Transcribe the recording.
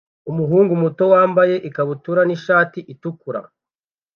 Umuhungu muto wambaye ikabutura n'ishati itukura